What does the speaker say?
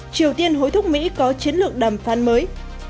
triều tiên hối thúc mỹ có chiến lược đàm phán mới